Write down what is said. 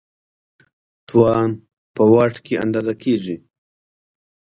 توان په واټ کې اندازه کېږي.